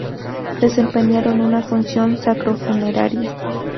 Desempeñaron una función sacro-funeraria.